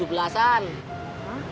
om mereka lagi narikin sumbangan